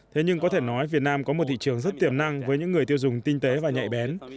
thế nhưng có thể nói việt nam có một thị trường rất tiềm năng với những người tiêu dùng tinh tế và nhạy bén